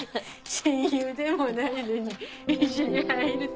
親友でもないのに一緒に入るって。